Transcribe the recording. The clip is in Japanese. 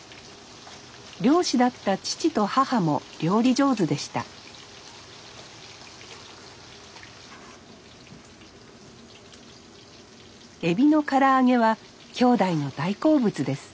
漁師だった父と母も料理上手でしたエビのから揚げは兄弟の大好物です